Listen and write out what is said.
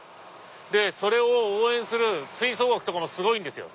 それを応援する吹奏楽とかもすごいんですよ。